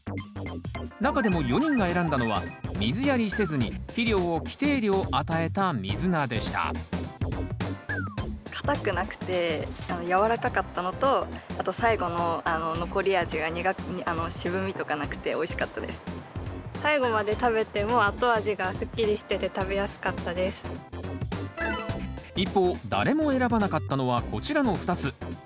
中でも４人が選んだのは水やりせずに肥料を規定量与えたミズナでした硬くなくてやわらかかったのとあと最後の残り味が最後まで食べても後味が一方誰も選ばなかったのはこちらの２つ。